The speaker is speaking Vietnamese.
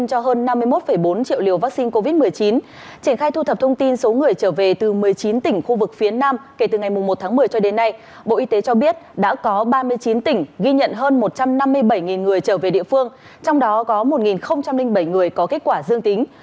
trên khai trở về từ một mươi chín tỉnh khu vực phía nam kể từ ngày một tháng một mươi cho đến nay bộ y tế cho biết đã có ba mươi chín tỉnh ghi nhận hơn một trăm năm mươi bảy người trở về địa phương trong đó có một bảy người có kết quả dương tính